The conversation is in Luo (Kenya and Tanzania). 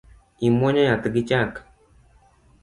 Imuonyo yath gi chak